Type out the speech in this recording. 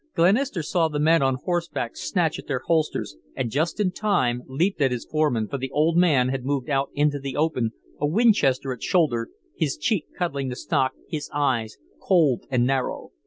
Glenister saw the men on horseback snatch at their holsters, and, just in time, leaped at his foreman, for the old man had moved out into the open, a Winchester at shoulder, his cheek cuddling the stock, his eyes cold and narrow.